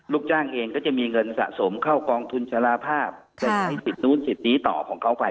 ลูกจ้างเองก็จะมีเงินสะสมเข้ากองทุนชะลาภาพใช้สิทธิต่อของเขาไป